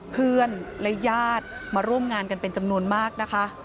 เพื่อนและญาติมาร่วมงานกันเป็นจำนวนมากนะคะ